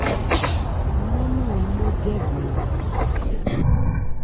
Ló nɔn an nó jɛ́gɔn o.